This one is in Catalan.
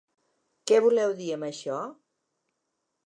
Què voleu dir amb això?